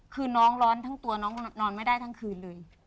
คือน้องร้อนทั้งตัวน้องนอนไม่ได้ทั้งคืนเลย